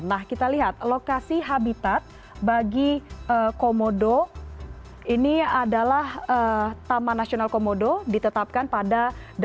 nah kita lihat lokasi habitat bagi komodo ini adalah taman nasional komodo ditetapkan pada delapan